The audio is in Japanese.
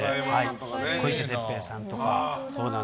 小池徹平さんとか。